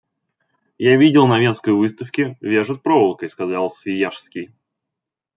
Я видел на Венской выставке, вяжет проволокой, — сказал Свияжский.